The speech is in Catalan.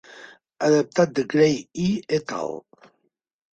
"Adaptat de Gray E et al.